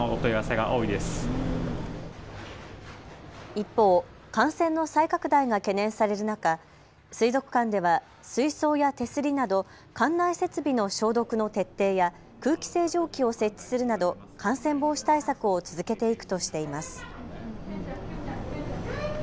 一方、感染の再拡大が懸念される中、水族館では水槽や手すりなど館内設備の消毒の徹底や空気清浄機を設置するなど感染防止対策を続けていくとしています。